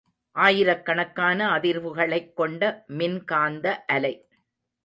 ஆயிரக்கணக்கான அதிர்வுகளைக் கொண்ட மின்காந்த அலை.